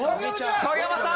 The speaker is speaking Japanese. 影山さん